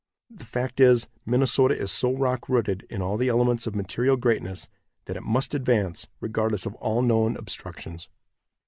The fact is, Minnesota is so rock rooted in all the elements of material greatness that it must advance, regardless of all known obstructions.